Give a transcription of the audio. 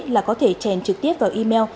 là có thể trèn trực tiếp vào email